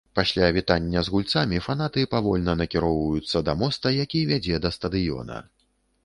Пасля вітання з гульцамі фанаты павольна накіроўваюцца да моста, які вядзе да стадыёна.